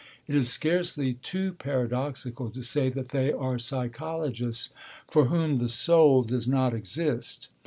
It is scarcely too paradoxical to say that they are psychologists for whom the soul does not exist.